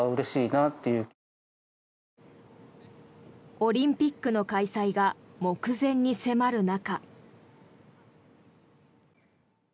オリンピックの開催が目前に迫る中。